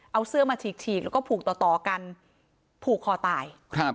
เอาเสื้อมาฉีกฉีกแล้วก็ผูกต่อกันผูกคอตาย